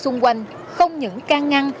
xung quanh không những can ngăn